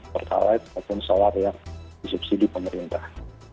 pertalite ataupun solar yang disubsidi pemerintah